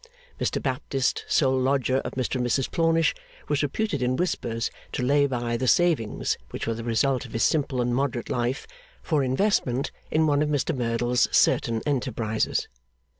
Mr Baptist, sole lodger of Mr and Mrs Plornish was reputed in whispers to lay by the savings which were the result of his simple and moderate life, for investment in one of Mr Merdle's certain enterprises.